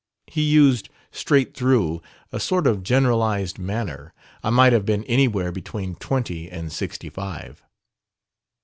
He used, straight through, a sort of generalized manner I might have been anywhere between twenty and sixty five."